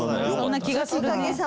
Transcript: そんな気がするね。